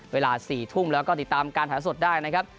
เวลา๔ทุ่มแล้วก็ติดตามการถ่ายสดได้นะครับ